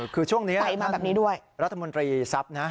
คือช่วงนี้ด้วยรัฐมนตรีทรัพย์นะ